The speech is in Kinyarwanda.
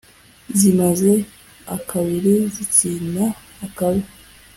zimaze akabiri zitsinda akabi.